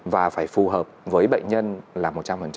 và phải phù hợp với bệnh nhân là một trăm linh